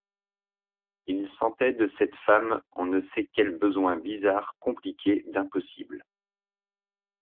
Il sentait de cette femme on ne sait quel besoin bizarre compliqué d’impossible.